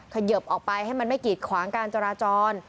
เขยิบออกไปให้มันไม่กีดขวางการจราจร